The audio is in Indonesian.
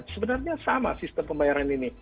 sebenarnya sama sistem pembayaran ini